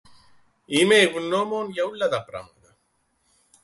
Είμαι ευγνώμων για ούλλα τα πράματα